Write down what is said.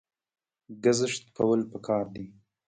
ګذشت کول پکار دي